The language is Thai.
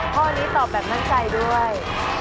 ข้อนี้ตอบแบบมั่นใจด้วย